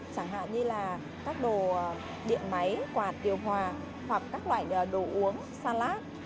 chẳng hạn như là các đồ điện máy quạt điều hòa hoặc các loại đồ uống salat